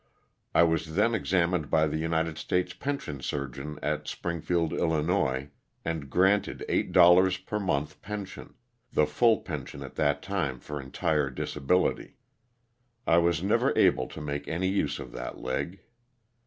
I was then examined by the United States Pension Surgeon at Springfield, 111., and granted $8 per month pension — the full pension at that time for entire dis ability. I was never able to make any use of that leg.